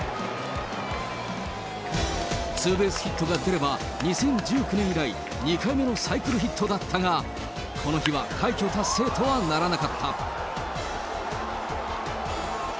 ツーベースヒットが出れば、２０１９年以来、２回目のサイクルヒットだったが、この日は快挙達成とはならなかった。